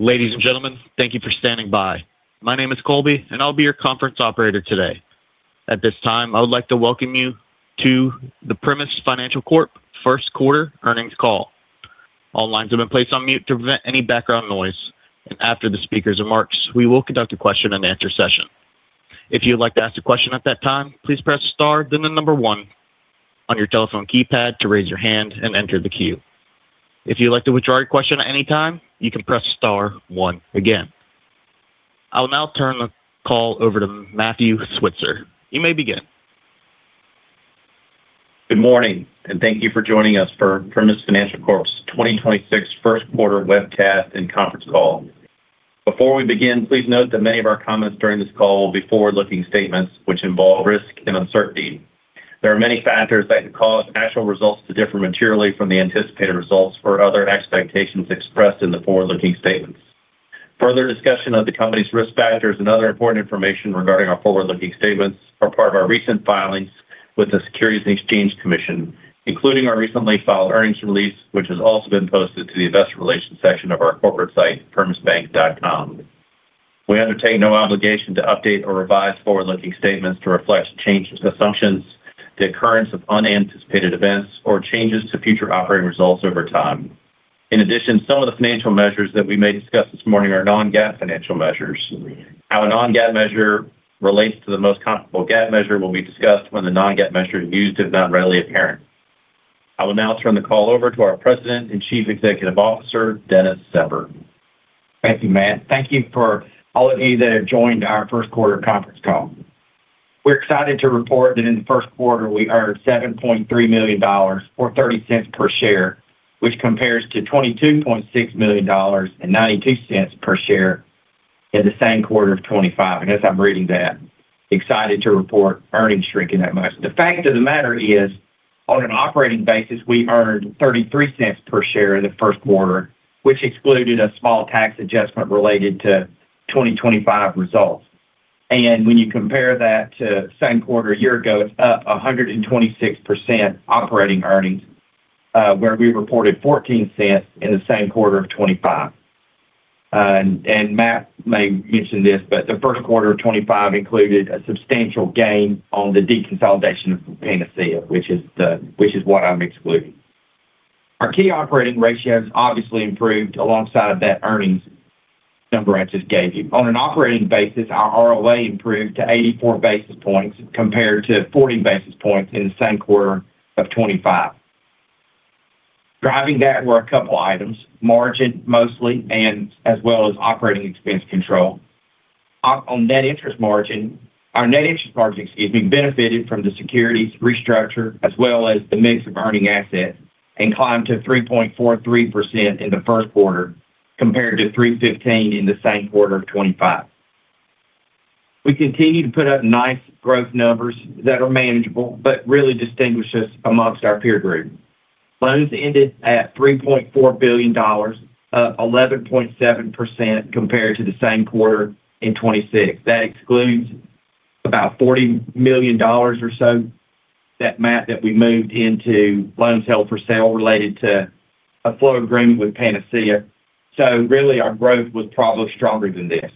Ladies and gentlemen, thank you for standing by. My name is Colby and I'll be your conference operator today. At this time, I would like to welcome you to the Primis Financial Corp. first quarter earnings call. All lines have been placed on mute to prevent any background noise, and after the speakers' remarks, we will conduct a question and answer session. If you would like to ask a question at that time, please press star then the number one on your telephone keypad to raise your hand and enter the queue. If you'd like to withdraw your question at any time, you can press star one again. I will now turn the call over to Matthew Switzer. You may begin. Good morning, and thank you for joining us for Primis Financial Corp.'s 2026 first quarter webcast and conference call. Before we begin, please note that many of our comments during this call will be forward-looking statements which involve risk and uncertainty. There are many factors that could cause actual results to differ materially from the anticipated results or other expectations expressed in the forward-looking statements. Further discussion of the company's risk factors and other important information regarding our forward-looking statements are part of our recent filings with the Securities and Exchange Commission, including our recently filed earnings release, which has also been posted to the investor relations section of our corporate site, primisbank.com. We undertake no obligation to update or revise forward-looking statements to reflect changed assumptions, the occurrence of unanticipated events or changes to future operating results over time. In addition, some of the financial measures that we may discuss this morning are non-GAAP financial measures. How a non-GAAP measure relates to the most comparable GAAP measure will be discussed when the non-GAAP measure is used if not readily apparent. I will now turn the call over to our President and Chief Executive Officer, Dennis Zember. Thank you, Matt. Thank you for all of you that have joined our first quarter conference call. We're excited to report that in the first quarter, we earned $7.3 million, or $0.30 per share, which compares to $22.6 million and $0.92 per share in the same quarter of 2025. I guess that doesn't read as excited to report earnings shrinking that much. The fact of the matter is, on an operating basis, we earned $0.33 per share in the first quarter, which excluded a small tax adjustment related to 2025 results. When you compare that to same quarter a year ago, it's up 126% operating earnings, where we reported $0.14 in the same quarter of 2025. Matt may mention this, but the first quarter of 2025 included a substantial gain on the deconsolidation of Panacea, which is what I'm excluding. Our key operating ratios obviously improved alongside of that earnings number I just gave you. On an operating basis, our ROA improved to 84 basis points compared to 40 basis points in the same quarter of 2025. Driving that were a couple items, margin mostly, and as well as operating expense control. On net interest margin, our net interest margin, excuse me, benefited from the securities restructure as well as the mix of earning assets and climbed to 3.43% in the first quarter, compared to 3.15% in the same quarter of 2025. We continue to put up nice growth numbers that are manageable but really distinguish us amongst our peer group. Loans ended at $3.4 billion, up 11.7% compared to the same quarter in 2025. That excludes about $40 million or so, that Matt, that we moved into loans held for sale related to a floor agreement with Panacea. Really our growth was probably stronger than this.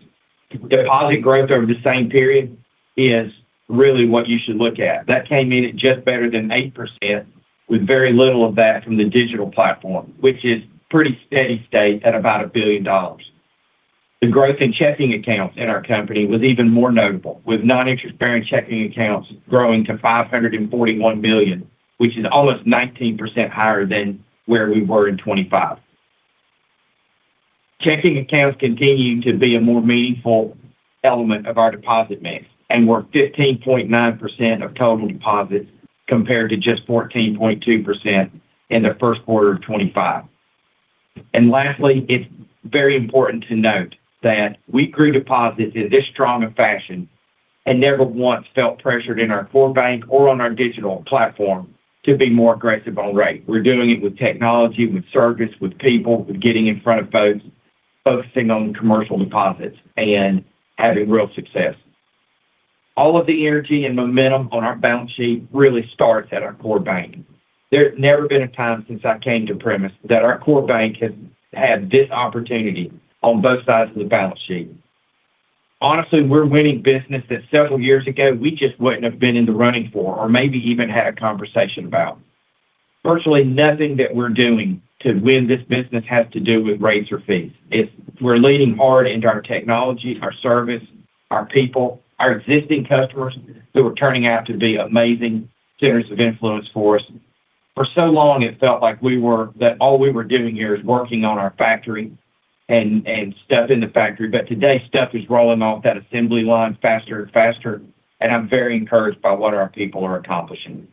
Deposit growth over the same period is really what you should look at. That came in at just better than 8% with very little of that from the digital platform, which is pretty steady state at about $1 billion. The growth in checking accounts in our company was even more notable, with non-interest-bearing checking accounts growing to $541 million, which is almost 19% higher than where we were in 2025. Checking accounts continue to be a more meaningful element of our deposit mix and were 15.9% of total deposits compared to just 14.2% in the first quarter of 2025. Lastly, it's very important to note that we grew deposits in this strong a fashion and never once felt pressured in our core bank or on our digital platform to be more aggressive on rate. We're doing it with technology, with service, with people, with getting in front of folks, focusing on commercial deposits and having real success. All of the energy and momentum on our balance sheet really starts at our core bank. There has never been a time since I came to Primis that our core bank has had this opportunity on both sides of the balance sheet. Honestly, we're winning business that several years ago we just wouldn't have been in the running for or maybe even had a conversation about. Virtually nothing that we're doing to win this business has to do with rates or fees. We're leaning hard into our technology, our service, our people, our existing customers, who are turning out to be amazing centers of influence for us. For so long it felt like all we were doing here is working on our factory and stuff in the factory. Today stuff is rolling off that assembly line faster and faster, and I'm very encouraged by what our people are accomplishing.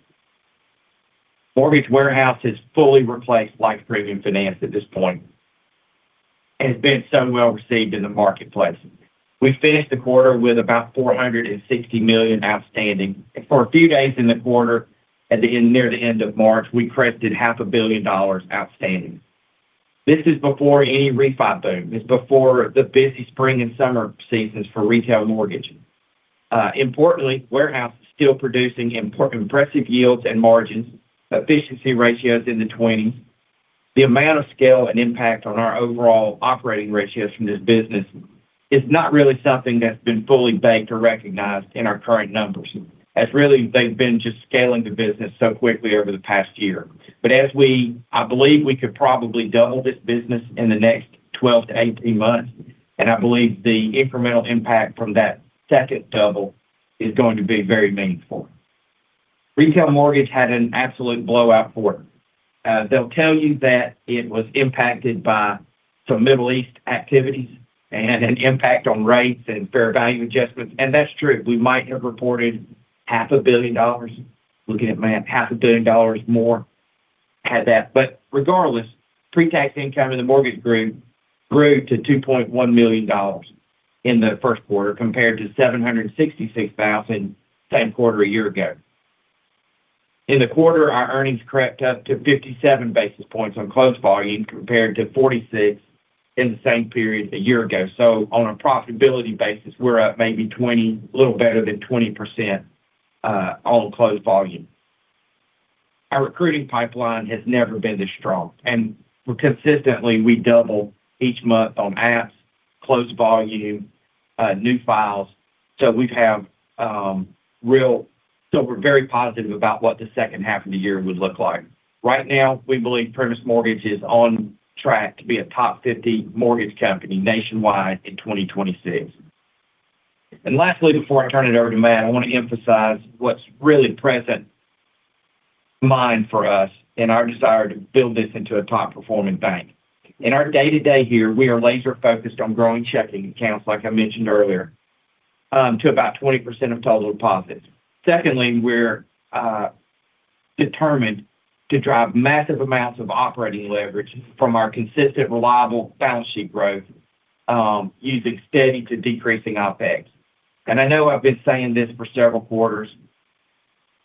Mortgage Warehouse has fully replaced Life Premium Finance at this point, and has been so well-received in the marketplace. We finished the quarter with about $460 million outstanding. For a few days in the quarter near the end of March, we crested half a billion dollars outstanding. This is before any refi boom. This is before the busy spring and summer seasons for retail mortgages. Importantly, Warehouse is still producing impressive yields and margins, efficiency ratios in the 20s. The amount of scale and impact on our overall operating ratios from this business is not really something that's been fully baked or recognized in our current numbers. Actually, really they've been just scaling the business so quickly over the past year. I believe we could probably double this business in the next 12 months-18 months, and I believe the incremental impact from that second double is going to be very meaningful. Retail mortgage had an absolute blowout quarter. They'll tell you that it was impacted by some Middle East activities and an impact on rates and fair value adjustments, and that's true. We might have reported half a billion dollars. Looking at Matt, half a billion dollars more than that. Regardless, pre-tax income in the mortgage group grew to $2.1 million in the first quarter, compared to $766,000 same quarter a year ago. In the quarter, our earnings crept up to 57 basis points on closed volume, compared to 46 basis points in the same period a year ago. On a profitability basis, we're up maybe 20 basis points, a little better than 20% on closed volume. Our recruiting pipeline has never been this strong, and consistently, we double each month on apps, closed volume, new files. We're very positive about what the second half of the year would look like. Right now, we believe Primis Mortgage is on track to be a top 50 mortgage company nationwide in 2026. Lastly, before I turn it over to Matt, I want to emphasize what's really front of mind for us and our desire to build this into a top-performing bank. In our day-to-day here, we are laser-focused on growing checking accounts, like I mentioned earlier, to about 20% of total deposits. Secondly, we're determined to drive massive amounts of operating leverage from our consistent, reliable balance sheet growth using steady to decreasing OpEx. I know I've been saying this for several quarters.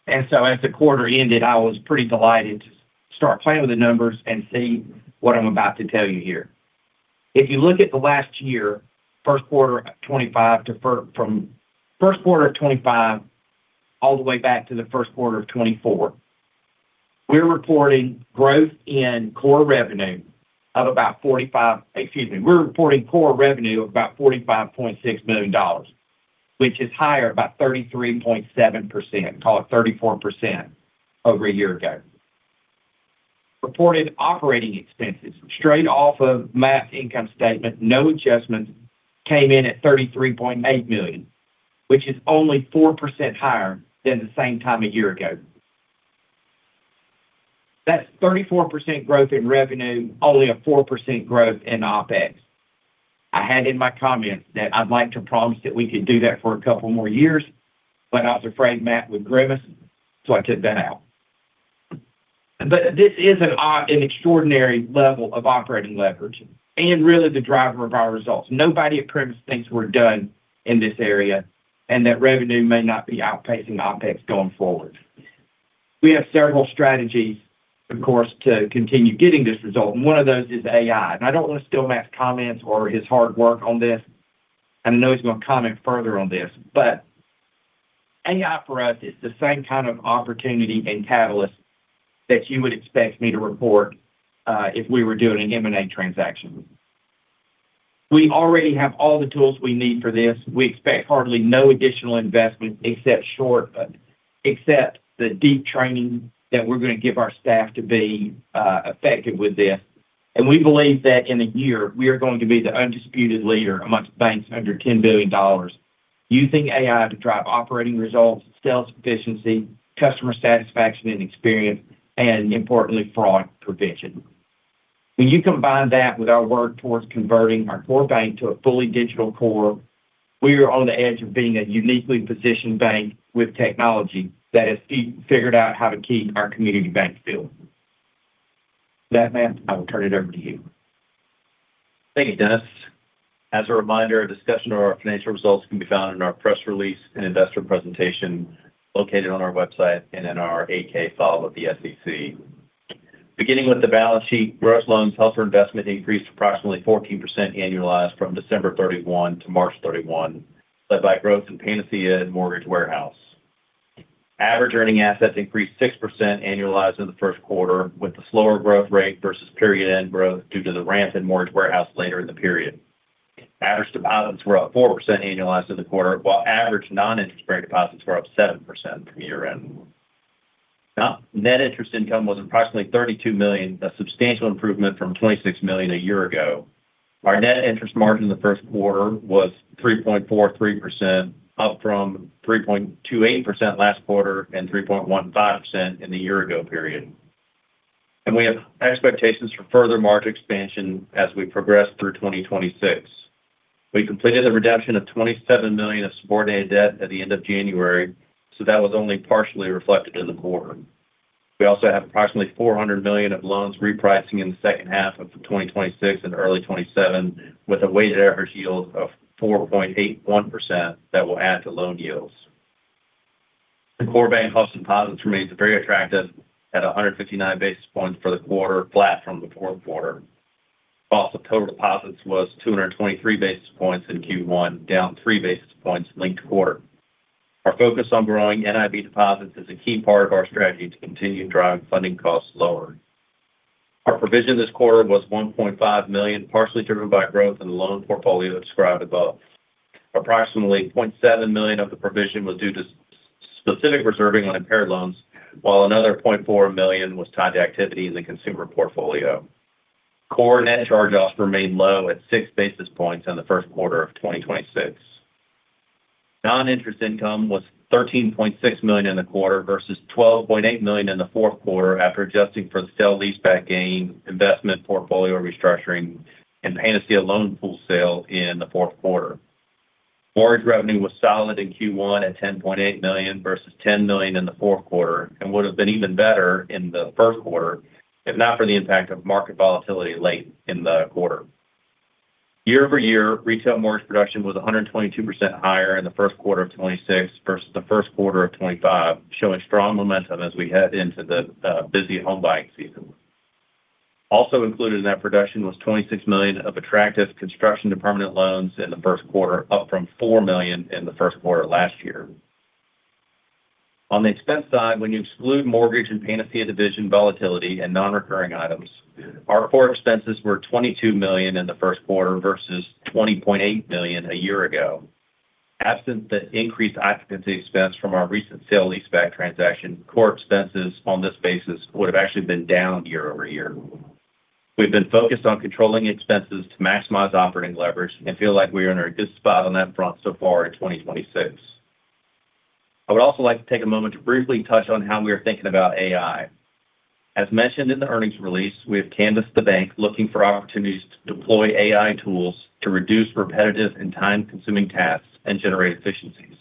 As the quarter ended, I was pretty delighted to start playing with the numbers and see what I'm about to tell you here. If you look at the last year, from first quarter of 2025, all the way back to the first quarter of 2024, we're reporting core revenue of about $45.6 million, which is higher, about 33.7%, call it 34% over a year ago. Reported operating expenses straight off of Matt's income statement, no adjustments came in at $33.8 million, which is only 4% higher than the same time a year ago. That's 34% growth in revenue, only a 4% growth in OpEx. I had in my comments that I'd like to promise that we could do that for a couple more years, but I was afraid Matt would grimace, so I took that out. This is an extraordinary level of operating leverage and really the driver of our results. Nobody at Primis thinks we're done in this area and that revenue may not be outpacing OpEx going forward. We have several strategies, of course, to continue getting this result, and one of those is AI. I don't want to steal Matt's comments or his hard work on this, and I know he's going to comment further on this. AI for us is the same kind of opportunity and catalyst that you would expect me to report, if we were doing an M&A transaction. We already have all the tools we need for this. We expect hardly no additional investment except short, except the deep training that we're going to give our staff to be effective with this. We believe that in a year, we are going to be the undisputed leader amongst banks under $10 billion using AI to drive operating results, sales efficiency, customer satisfaction and experience, and importantly, fraud prevention. When you combine that with our work towards converting our core bank to a fully digital core, we are on the edge of being a uniquely positioned bank with technology that has figured out how to keep our community bank feel. With that, Matt, I will turn it over to you. Thank you, Dennis. As a reminder, a discussion of our financial results can be found in our press release and investor presentation located on our website and in our 8-K filed with the SEC. Beginning with the balance sheet, gross loans held for investment increased approximately 14% annualized from December 31 to March 31, led by growth in Panacea and Mortgage Warehouse. Average earning assets increased 6% annualized in the first quarter, with the slower growth rate versus period-end growth due to the ramp in Mortgage Warehouse later in the period. Average deposits were up 4% annualized in the quarter, while average non-interest-bearing deposits were up 7% from year-end. Net interest income was approximately $32 million, a substantial improvement from $26 million a year ago. Our net interest margin in the first quarter was 3.43%, up from 3.28% last quarter and 3.15% in the year ago period. We have expectations for further margin expansion as we progress through 2026. We completed the redemption of $27 million of subordinate debt at the end of January, so that was only partially reflected in the quarter. We also have approximately $400 million of loans repricing in the second half of 2026 and early 2027, with a weighted average yield of 4.81% that will add to loan yields. The core bank cost and deposits remains very attractive at 159 basis points for the quarter, flat from the fourth quarter. Cost of total deposits was 223 basis points in Q1, down three basis points linked-quarter. Our focus on growing NIB deposits is a key part of our strategy to continue driving funding costs lower. Our provision this quarter was $1.5 million, partially driven by growth in the loan portfolio described above. Approximately $0.7 million of the provision was due to specific reserving on impaired loans, while another $0.4 million was tied to activity in the consumer portfolio. Core net charge-offs remained low at six basis points in the first quarter of 2026. Non-interest income was $13.6 million in the quarter versus $12.8 million in the fourth quarter, after adjusting for the sale-leaseback gain, investment portfolio restructuring, and Panacea loan pool sale in the fourth quarter. Mortgage revenue was solid in Q1 at $10.8 million versus $10 million in the fourth quarter, and would have been even better in the first quarter if not for the impact of market volatility late in the quarter. Year-over-year, retail mortgage production was 122% higher in the first quarter of 2026 versus the first quarter of 2025, showing strong momentum as we head into the busy home buying season. Also included in that production was $26 million of attractive construction to permanent loans in the first quarter, up from $4 million in the first quarter last year. On the expense side, when you exclude mortgage and Panacea division volatility and non-recurring items, our core expenses were $22 million in the first quarter versus $20.8 million a year ago. Absent the increased occupancy expense from our recent sale-leaseback transaction, core expenses on this basis would have actually been down year-over-year. We've been focused on controlling expenses to maximize operating leverage and feel like we are in a good spot on that front so far in 2026. I would also like to take a moment to briefly touch on how we are thinking about AI. As mentioned in the earnings release, we have canvassed the bank looking for opportunities to deploy AI tools to reduce repetitive and time-consuming tasks and generate efficiencies.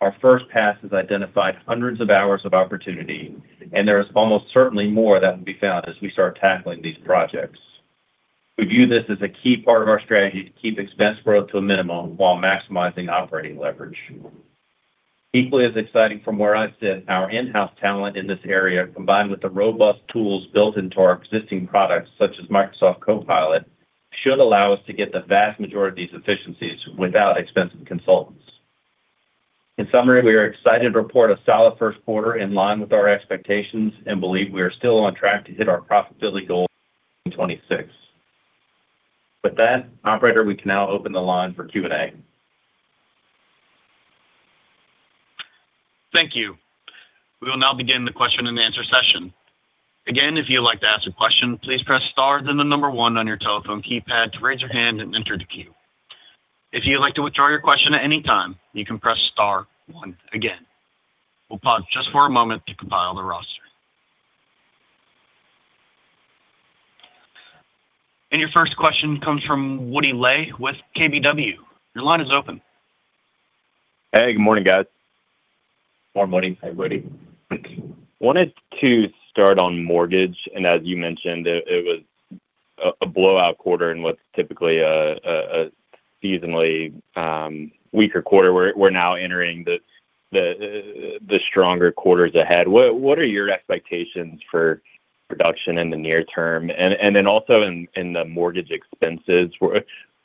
Our first pass has identified hundreds of hours of opportunity, and there is almost certainly more that will be found as we start tackling these projects. We view this as a key part of our strategy to keep expense growth to a minimum while maximizing operating leverage. Equally as exciting from where I sit, our in-house talent in this area, combined with the robust tools built into our existing products, such as Microsoft Copilot, should allow us to get the vast majority of these efficiencies without expensive consultants. In summary, we are excited to report a solid first quarter in line with our expectations and believe we are still on track to hit our profitability goal in 2026. With that, operator, we can now open the line for Q&A. Thank you. We will now begin the question and answer session. Again, if you'd like to ask a question, please press star then the number one on your telephone keypad to raise your hand and enter the queue. If you'd like to withdraw your question at any time, you can press star one again. We'll pause just for a moment to compile the roster. Your first question comes from Woody Lay with KBW. Your line is open. Hey, good morning, guys. Good morning. Hey, Woody. wanted to start on mortgage, as you mentioned, it was a blowout quarter in what's typically a seasonally weaker quarter. We're now entering the stronger quarters ahead. What are your expectations for production in the near term? In the mortgage expenses,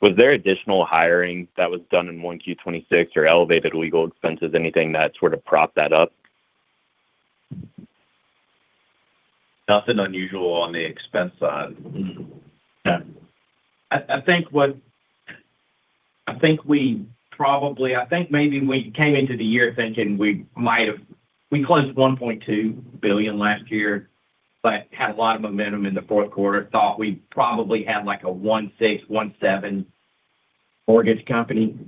was there additional hiring that was done in Q1 2026 or elevated legal expenses, anything that sort of propped that up? Nothing unusual on the expense side. I think maybe we came into the year thinking we closed $1.2 billion last year, but had a lot of momentum in the fourth quarter, thought we probably had like a $1.6 billion-$1.7 billion mortgage company.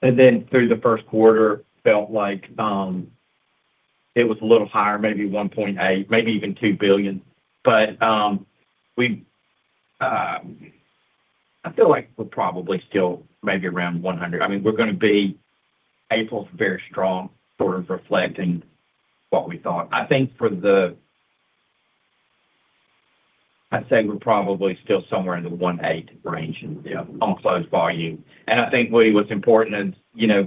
Through the first quarter, felt like it was a little higher, maybe $1.8 billion, maybe even $2 billion. I feel like we're probably still maybe around 100%. April is very strong, sort of reflecting what we thought. I'd say we're probably still somewhere in the $1.8 billion range on closed volume. I think, Woody, what's important is,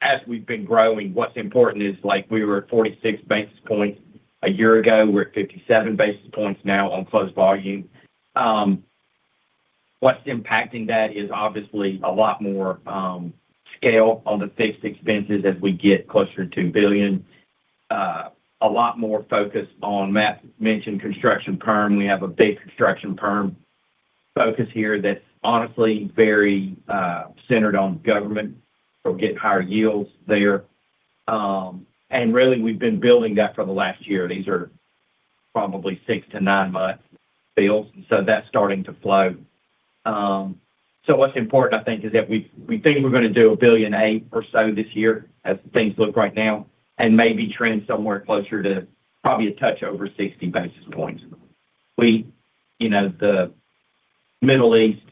as we've been growing, what's important is like we were at 46 basis points a year ago. We're at 57 basis points now on closed volume. What's impacting that is obviously a lot more scale on the fixed expenses as we get closer to $2 billion. A lot more focus on. Matt mentioned construction perm. We have a big construction perm focus here that's honestly very centered on government. Getting higher yields there. Really, we've been building that for the last year. These are probably 6-month to 9-month deals. That's starting to flow. What's important, I think, is that we think we're going to do $1.8 billion or so this year as things look right now, and maybe trend somewhere closer to probably a touch over 60 basis points. The Middle East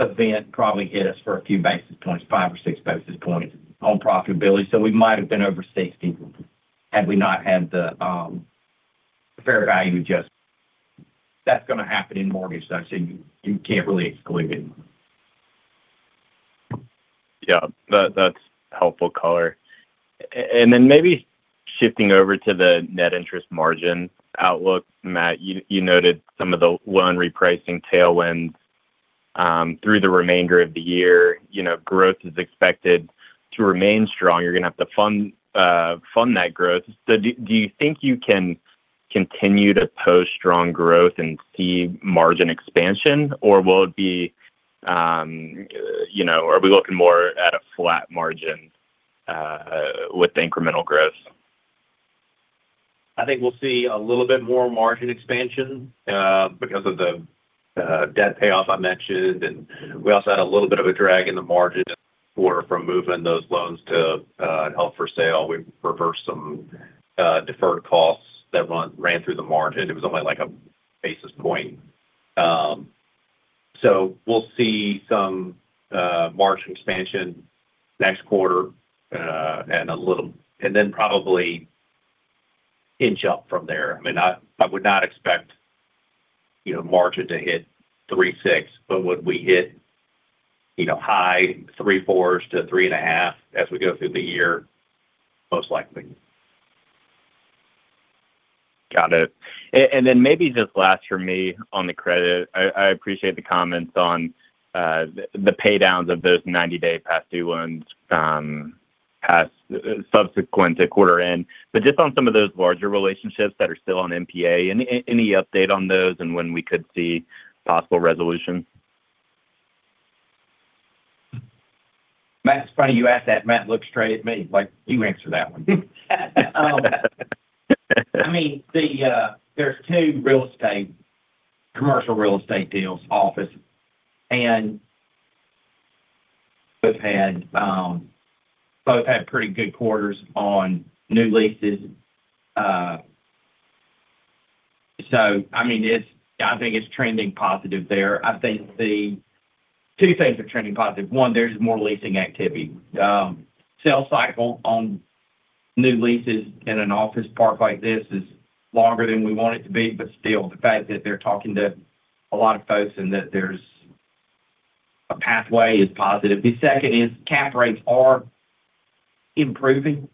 event probably hit us for a few basis points, 5 basis points or 6 basis points on profitability. We might have been over 60 basis points had we not had the fair value adjustment. That's going to happen in mortgage, so you can't really exclude it. Yeah. That's helpful color. Maybe shifting over to the net interest margin outlook, Matt, you noted some of the loan repricing tailwinds through the remainder of the year. Growth is expected to remain strong. You're going to have to fund that growth. Do you think you can continue to post strong growth and see margin expansion? Or are we looking more at a flat margin with incremental growth? I think we'll see a little bit more margin expansion because of the debt payoff I mentioned. We also had a little bit of a drag in the margin this quarter from moving those loans to held for sale. We reversed some deferred costs that ran through the margin. It was only like a basis point. We'll see some margin expansion next quarter and then probably inch up from there. I would not expect margin to hit 3.6%. Would we hit high 3.4%s-3.5% as we go through the year? Most likely. Got it. Maybe just last from me on the credit. I appreciate the comments on the pay downs of those 90-day past due loans subsequent to quarter end. Just on some of those larger relationships that are still on NPA, any update on those and when we could see possible resolution? Woody, it's funny you ask that. Matthew looked straight at me like, "You answer that one." There's two commercial real estate deals, office, and both had pretty good quarters on new leases. I think it's trending positive there. I think two things are trending positive. One, there's more leasing activity. Sales cycle on new leases in an office park like this is longer than we want it to be, but still, the fact that they're talking to a lot of folks and that there's a pathway is positive. The second is cap rates are improving,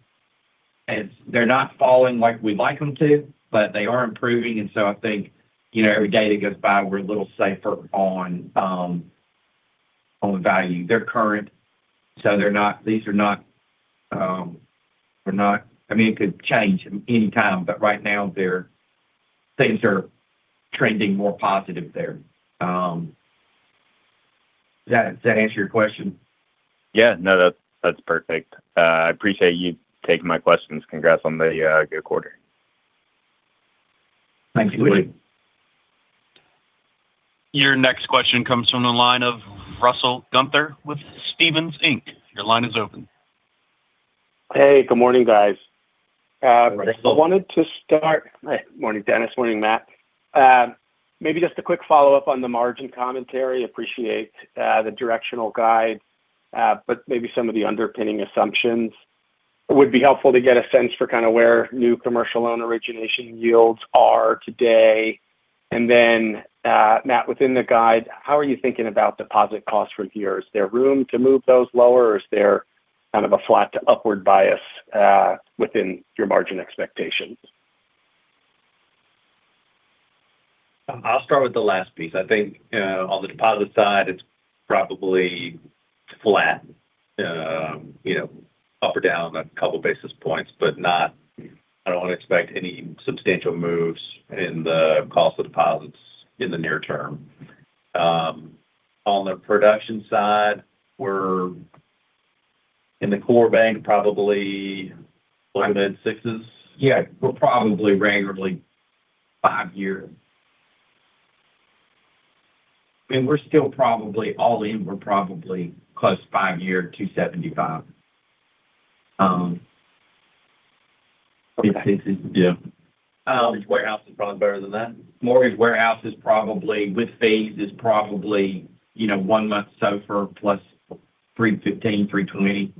and they're not falling like we'd like them to, but they are improving, so I think every day that goes by, we're a little safer on value. They're current. It could change anytime, but right now things are trending more positive there. Does that answer your question? Yeah. No, that's perfect. I appreciate you taking my questions. Congrats on the good quarter. Thanks. Absolutely. Your next question comes from the line of Russell Gunther with Stephens Inc. Your line is open. Hey, good morning, guys. Good morning, Russell. Morning, Dennis. Morning, Matt. Maybe just a quick follow-up on the margin commentary. I appreciate the directional guide, but maybe some of the underpinning assumptions would be helpful to get a sense for kind of where new commercial loan origination yields are today. Then, Matt, within the guide, how are you thinking about deposit costs from here? Is there room to move those lower, or is there kind of a flat to upward bias within your margin expectations? I'll start with the last piece. I think on the deposit side, it's probably flat up or down a couple basis points. I don't expect any substantial moves in the cost of deposits in the near term. On the production side, we're in the core bank probably low to mid sixes. Yeah. We're probably regularly 5-year. All in, we're probably close to 5-year 275. Basis? Yeah. Mortgage Warehouse is probably better than that. Mortgage warehouse with fees is probably one month SOFR plus 315-320.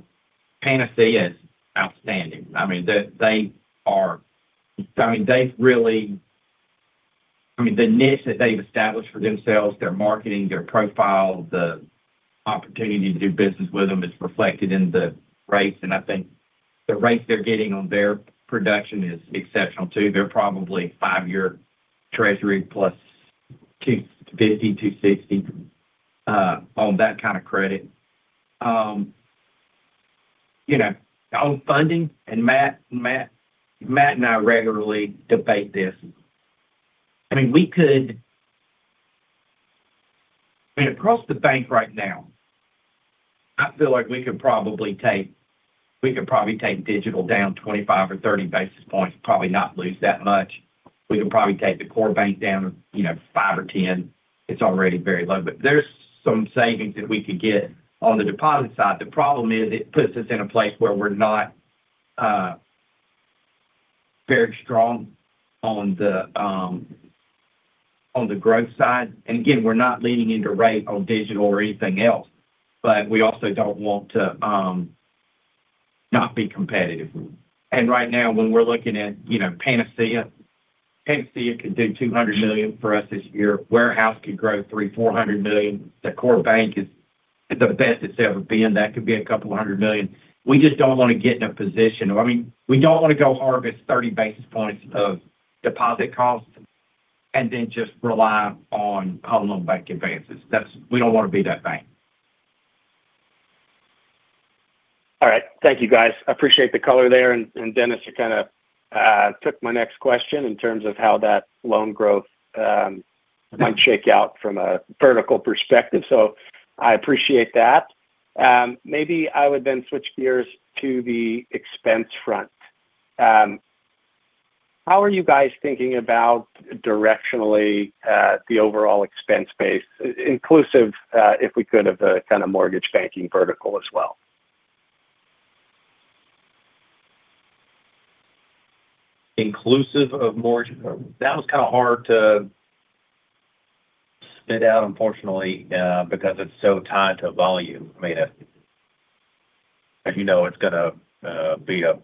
Panacea is outstanding. The niche that they've established for themselves, their marketing, their profile, the opportunity to do business with them is reflected in the rates, and I think the rates they're getting on their production is exceptional, too. They're probably five-year Treasury plus 250-260 on that kind of credit. On funding, Matt and I regularly debate this, across the bank right now, I feel like we could probably take digital down 25 basis points or 30 basis points and probably not lose that much. We could probably take the core bank down five or 10. It's already very low, but there's some savings that we could get on the deposit side. The problem is it puts us in a place where we're not very strong on the growth side. Again, we're not leaning into rate on digital or anything else. We also don't want to not be competitive. Right now, when we're looking at Panacea could do $200 million for us this year. Warehouse could grow $300 million-$400 million. The core bank is in the best it's ever been. That could be a couple of hundred million. We just don't want to go harvest 30 basis points of deposit costs and then just rely on public bank advances. We don't want to be that bank. All right. Thank you, guys. Appreciate the color there. Dennis, you kind of took my next question in terms of how that loan growth might shake out from a vertical perspective. I appreciate that. Maybe I would then switch gears to the expense front. How are you guys thinking about directionally, the overall expense base, inclusive, if we could, of the kind of mortgage banking vertical as well? Inclusive of mortgage. That one's kind of hard to split out, unfortunately, because it's so tied to volume. As you know, it's going to be an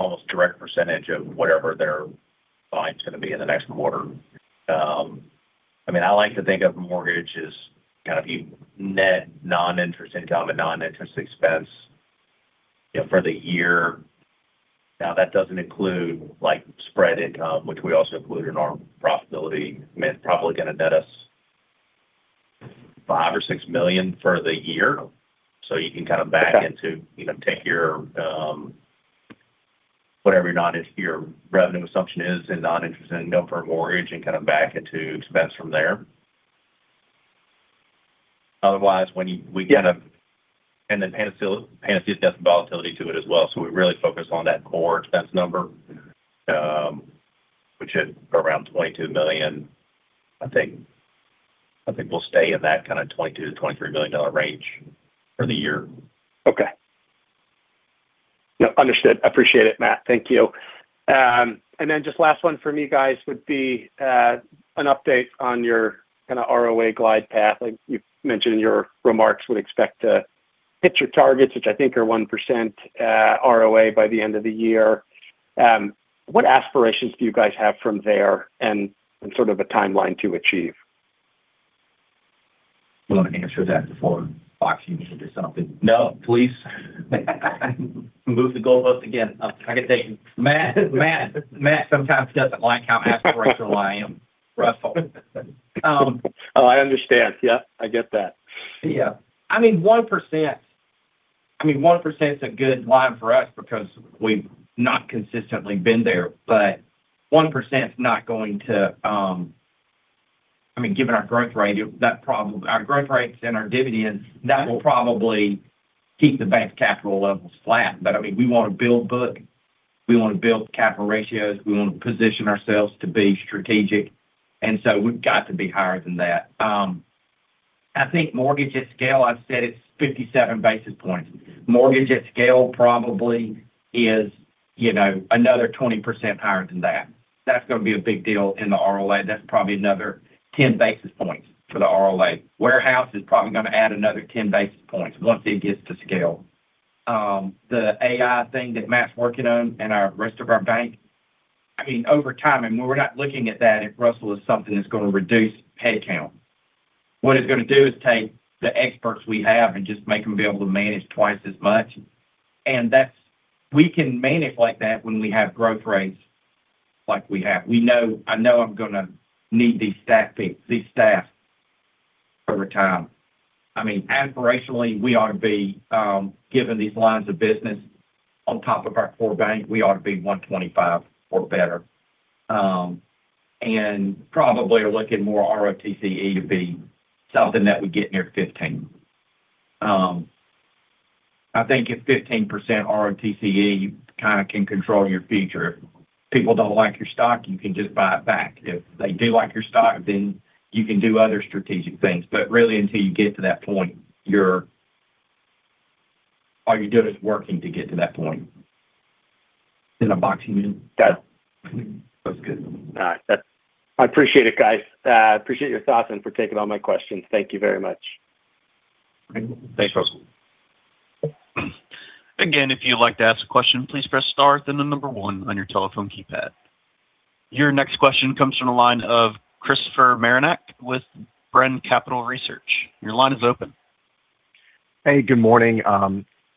almost direct percentage of whatever their volume's going to be in the next quarter. I like to think of mortgage as kind of net non-interest income and non-interest expense, for the year. Now, that doesn't include spread income, which we also include in our profitability. Probably going to net us $5 million-$6 million for the year. You can kind of take your whatever your revenue assumption is, and non-interest income for a mortgage and kind of back into expense from there. Otherwise, Panacea's got some volatility to it as well, so we really focus on that core expense number, which is around $22 million. I think we'll stay in that kind of $22 million-$23 million range for the year. Okay. No, understood. Appreciate it, Matt. Thank you. Just last one from me, guys, would be an update on your kind of ROA glide path. You've mentioned in your remarks would expect to hit your targets, which I think are 1% ROA by the end of the year. What aspirations do you guys have from there, and sort of a timeline to achieve? You want me to answer that before Boxey needs to do something? No, please move the goalpost again. I got to tell you, Matt sometimes doesn't like how aspirational I am, Russell. Oh, I understand. Yep. I get that. Yeah. 1% is a good line for us because we've not consistently been there, but 1%'s not going to. Given our growth rates and our dividend, that will probably keep the bank's capital levels flat. We want to build book, we want to build capital ratios, we want to position ourselves to be strategic, and so we've got to be higher than that. I think mortgage at scale, I've said it's 57 basis points. Mortgage at scale probably is another 20% higher than that. That's going to be a big deal in the ROA. That's probably another 10 basis points for the ROA. Warehouse is probably going to add another 10 basis points once it gets to scale. The AI thing that Matt's working on and our rest of our bank, over time, and we're not looking at that at Russell as something that's going to reduce head count. What it's going to do is take the experts we have and just make them be able to manage twice as much, and we can manage like that when we have growth rates like we have. I know I'm going to need these staff over time. Aspirationally, we ought to be given these lines of business on top of our core bank. We ought to be 12.5% or better, and probably are looking for ROTCE to be something that would get near 15%. I think at 15% ROTCE, you kind of can control your future. If people don't like your stock, you can just buy it back. If they do like your stock, then you can do other strategic things. Really until you get to that point, all you're doing is working to get to that point. Isn't it, Boxey? That's good. All right. I appreciate it, guys. Appreciate your thoughts and for taking all my questions. Thank you very much. Thanks, Russell. Again if you would like to ask a question press star then the number one on your telephone keypad. Your next question comes from the line of Christopher Marinac with Brean Capital Research. Your line is open. Hey, good morning.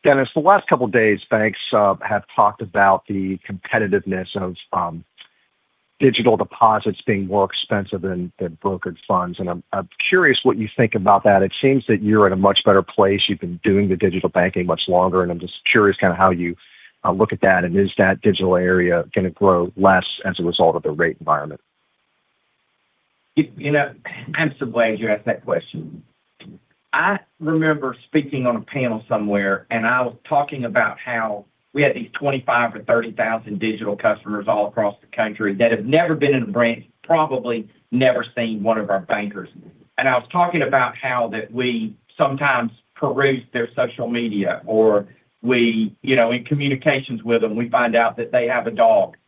Dennis, the last couple of days, banks have talked about the competitiveness of digital deposits being more expensive than brokered funds, and I'm curious what you think about that. It seems that you're at a much better place. You've been doing the digital banking much longer, and I'm just curious kind of how you look at that, and is that digital area going to grow less as a result of the rate environment? I'm so glad you asked that question. I remember speaking on a panel somewhere, and I was talking about how we had these 25, 000-30,000 digital customers all across the country that have never been in a branch, probably never seen one of our bankers. I was talking about how we sometimes peruse their social media, or in communications with them, we find out that they have a dog,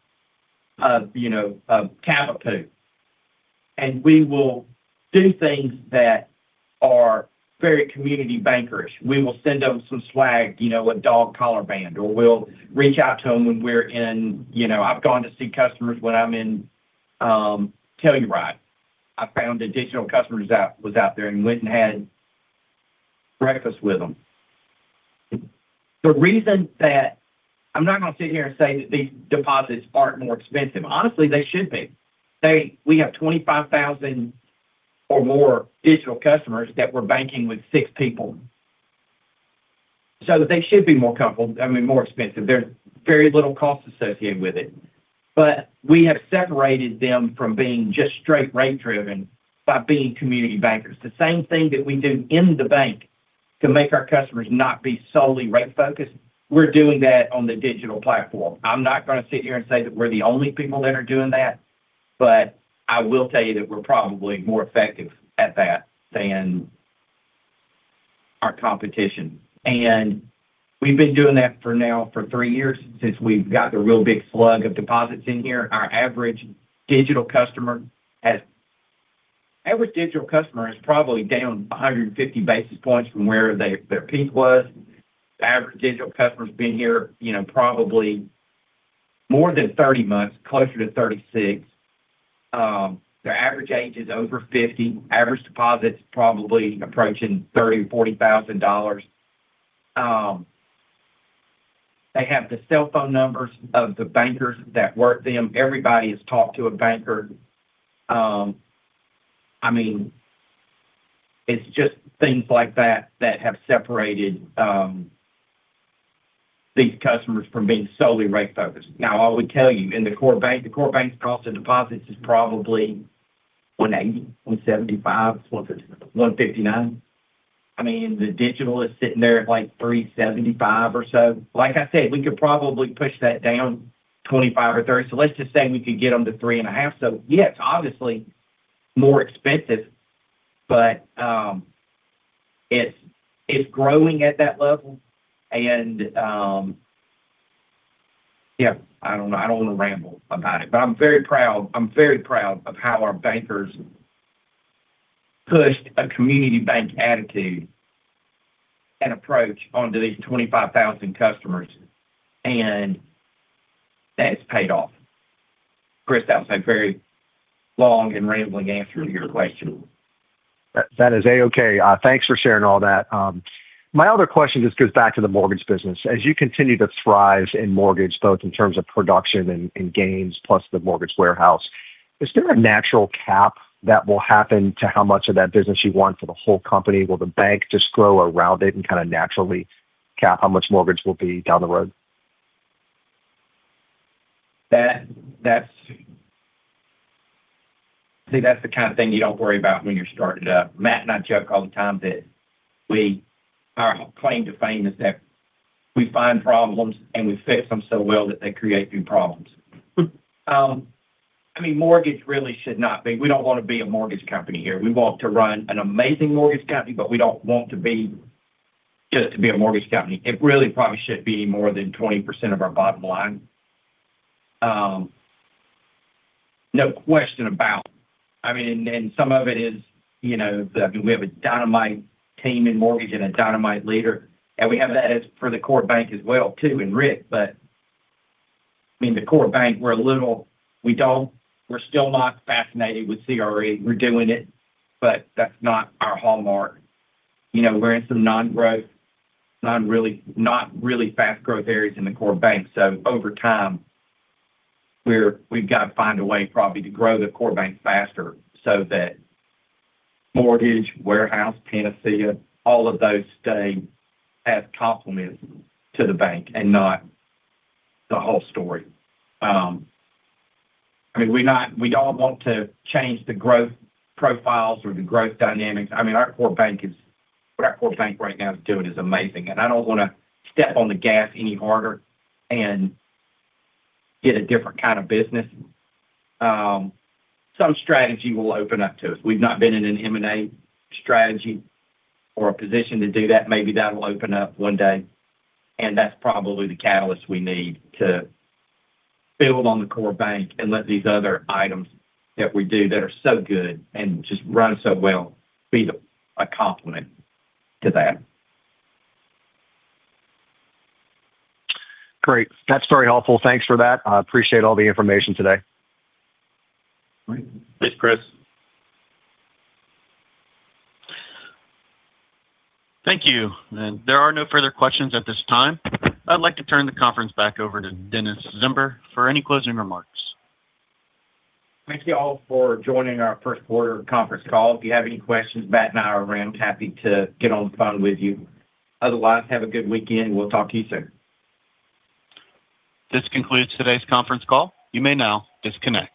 a cockapoo. We will do things that are very community bankerish. We will send them some swag, a dog collar band, or we'll reach out to them when we're in. I've gone to see customers when I'm in Telluride. I found additional customers that was out there and went and had breakfast with them. The reason that I'm not going to sit here and say that these deposits aren't more expensive, honestly, they should be. We have 25,000 or more digital customers that we're banking with six people. They should be more expensive. There's very little cost associated with it. We have separated them from being just straight rate driven by being community bankers. The same thing that we do in the bank to make our customers not be solely rate focused, we're doing that on the digital platform. I'm not going to sit here and say that we're the only people that are doing that, but I will tell you that we're probably more effective at that than our competition. We've been doing that for now for three years, since we've got the real big slug of deposits in here. Our average digital customer is probably down 150 basis points from where their peak was. The average digital customer's been here probably more than 30 months, closer to 36 months. Their average age is over 50. Average deposit's probably approaching $30,000-$40,000. They have the cell phone numbers of the bankers that work them. Everybody has talked to a banker. It's just things like that that have separated these customers from being solely rate focused. Now, I would tell you, in the core bank, the core bank's cost of deposits is probably 180, 175, 159. The digital is sitting there at like 375 or so. Like I said, we could probably push that down 25 or 30. Let's just say we could get them to 3.5. Yes, obviously more expensive, but it's growing at that level and, yeah, I don't know. I don't want to ramble about it, but I'm very proud. I'm very proud of how our bankers pushed a community bank attitude and approach onto these 25,000 customers, and that's paid off. Chris, that was a very long and rambling answer to your question. That is A-okay. Thanks for sharing all that. My other question just goes back to the mortgage business. As you continue to thrive in mortgage, both in terms of production and gains, plus the Mortgage Warehouse, is there a natural cap that will happen to how much of that business you want for the whole company? Will the bank just grow around it and kind of naturally cap how much mortgage will be down the road? See, that's the kind of thing you don't worry about when you're starting up. Matt and I joke all the time that our claim to fame is that we find problems, and we fix them so well that they create new problems. We don't want to be a mortgage company here. We want to run an amazing mortgage company, but we don't want just to be a mortgage company. It really probably shouldn't be more than 20% of our bottom line. No question about it. Some of it is, we have a dynamite team in mortgage and a dynamite leader, and we have that for the core bank as well, too, in Rick. The core bank, we're still not fascinated with CRE. We're doing it, but that's not our hallmark. We're in some non-growth, not really fast growth areas in the core bank. Over time, we've got to find a way probably to grow the core bank faster so that Mortgage Warehouse, Panacea, all of those stay as complements to the bank and not the whole story. We don't want to change the growth profiles or the growth dynamics. Our core bank right now is doing amazing, and I don't want to step on the gas any harder and get a different kind of business. Some strategy will open up to us. We've not been in an M&A strategy or a position to do that. Maybe that'll open up one day, and that's probably the catalyst we need to build on the core bank and let these other items that we do that are so good and just run so well, be a complement to that. Great. That's very helpful. Thanks for that. I appreciate all the information today. Thanks, Chris. Thank you. There are no further questions at this time. I'd like to turn the conference back over to Dennis Zember for any closing remarks. Thank you all for joining our first quarter conference call. If you have any questions, Matt and I are around, happy to get on the phone with you. Otherwise, have a good weekend. We'll talk to you soon. This concludes today's conference call. You may now disconnect.